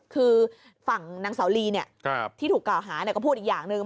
คือฝั่งนางเสาลีที่ถูกกล่าวหาก็พูดอีกอย่างหนึ่ง